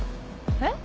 えっ？